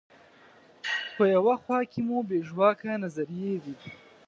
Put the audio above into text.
په یوه خوا کې مو بې ژواکه نظریې دي.